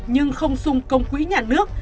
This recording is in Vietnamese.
nhưng không xung công quỹ nhà nước